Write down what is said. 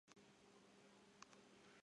塞尔方丹。